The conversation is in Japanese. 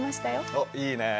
おっいいねえ！